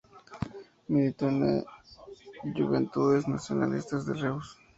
Militó en la Juventudes Nacionalistas de Reus.